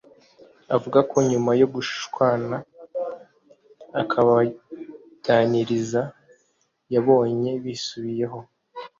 Avuga ko nyuma yo gushwana akabaganiriza yabonye bisubiyeho